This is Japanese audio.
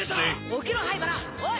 起きろ灰原おい。